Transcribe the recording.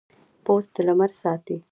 پوست د لمر ساتي.